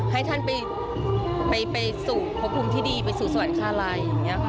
ให้ท่านไปสู่ภพภูมิที่ดีไปสู่สวัสดิ์ค่าไร